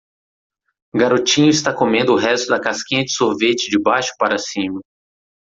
Garotinho está comendo o resto da casquinha de sorvete de baixo para cima.